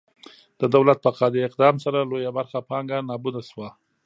د دولت په قاطع اقدام سره لویه برخه پانګه نابوده شوه.